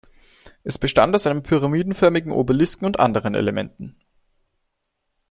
Es bestand aus einem pyramidenförmigen Obelisken und anderen Elementen.